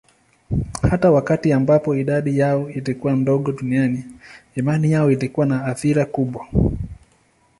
Hata wakati ambapo idadi yao ilikuwa ndogo duniani, imani yao ilikuwa na athira kubwa.